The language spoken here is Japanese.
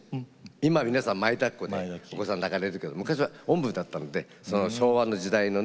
今は皆さん前だっこでお子さん抱かれるけど昔はおんぶだったのでその昭和の時代のね